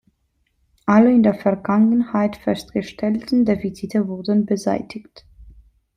Alle in der Vergangenheit festgestellten Defizite wurden beseitigt.